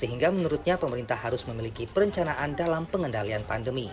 sehingga menurutnya pemerintah harus memiliki perencanaan dalam pengendalian pandemi